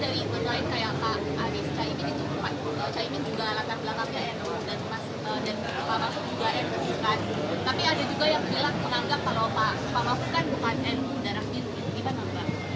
tapi ada juga yang bilang menanggap kalau pak mahfuz kan bukan nu darah miru